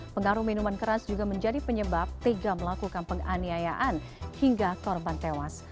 pengaruh minuman keras juga menjadi penyebab tega melakukan penganiayaan hingga korban tewas